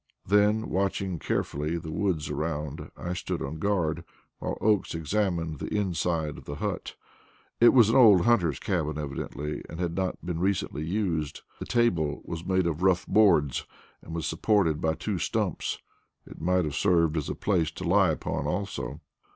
Then, watching carefully the woods around, I stood on guard, while Oakes examined the inside of the hut. It was an old hunter's cabin evidently, and had not been recently used. The table was made of rough boards, and was supported by two stumps. It might have served as a place to lie upon also.